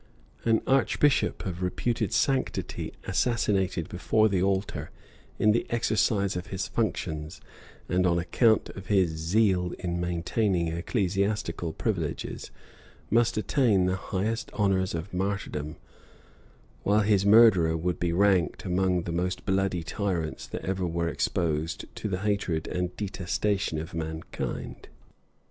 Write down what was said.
An archbishop of reputed sanctity assassinated before the altar, in the exercise of his functions, and on account of his zeal in maintaining ecclesiastical privileges, must attain the highest honors of martyrdom; while his murderer would be ranked among the most bloody tyrants that ever were exposed to the hatred and detestation of mankind.